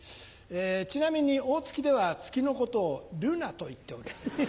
ちなみに大月では月のことをルナと言っております。